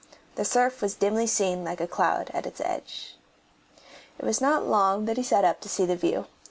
The surf was dimly seen like a cloud at its edge. It was not long that he sat up to see the view.